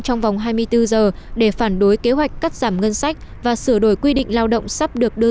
trong vòng hai mươi bốn giờ để phản đối kế hoạch cắt giảm ngân sách và sửa đổi quy định lao động sắp được đưa